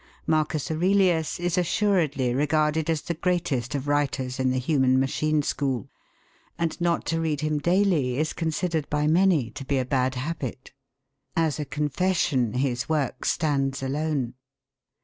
Marcus Aurelius is assuredly regarded as the greatest of writers in the human machine school, and not to read him daily is considered by many to be a bad habit. As a confession his work stands alone.